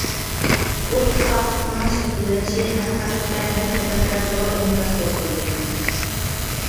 بۇ ئىتتىپاقلىقنىڭ شەكىللىنىشى ھەم غەربتە، ھەم شەرقتە زور ئىنكاس قوزغىدى.